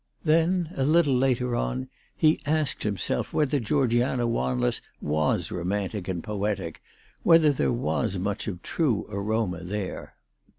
Then, a little later on, he asked himself whether Georgiana Wanless was romantic and poetic, whether there was much of true aroma there.